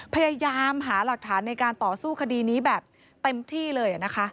พยายามหาหลักฐานในการต่อสู้คดีนี้แบบเต็มที่เลยนะคะ